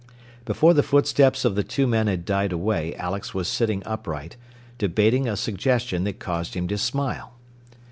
Before the footsteps of the two men had died away Alex was sitting upright, debating a suggestion that caused him to smile.